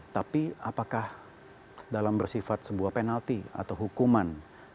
tapi apakah dalam bersifat sebuah penalti atau hukuman